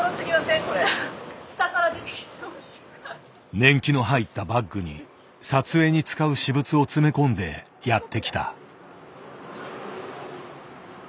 年季の入ったバッグに撮影に使う私物を詰め込んでやってきた。